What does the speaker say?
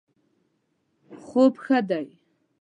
خوب ښه دی